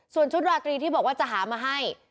ส่วนชุดราตรีที่บอกว่าจะหามาให้